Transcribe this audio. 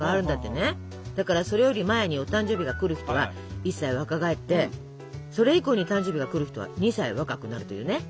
だからそれより前にお誕生日が来る人は１歳若返ってそれ以降に誕生日が来る人は２歳若くなるというね。